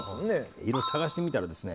いろいろ探してみたらですね